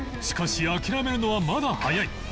しかし諦めるのはまだ早い